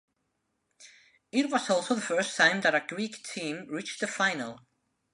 It was also the first time that a Greek team reached the final.